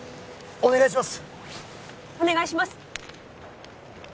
お願いします！